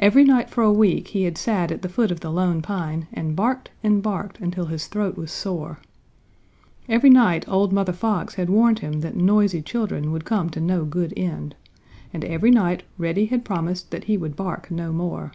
Every night for a week he had sat at the foot of the Lone Pine and barked and barked until his throat was sore. Every night old Mother Fox had warned him that noisy children would come to no good end, and every night Reddy had promised that he would bark no more.